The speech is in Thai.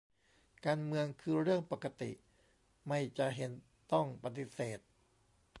การเมืองคือเรื่องปกติ ไม่จะเห็นต้องปฏิเสธ